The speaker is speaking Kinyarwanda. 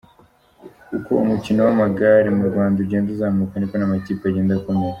Uko umukino w’amagare mu Rwanda ugenda uzamuka niko n’amakipe agenda akomera.